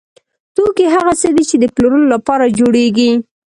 توکي هغه څه دي چې د پلورلو لپاره جوړیږي.